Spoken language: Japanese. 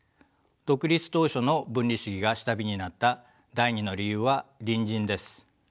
独立当初の分離主義が下火になった第２の理由は隣人です。